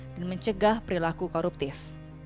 dan mencegah perilaku koruptif